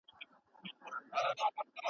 ایا موږ ډېري مڼې راوړي؟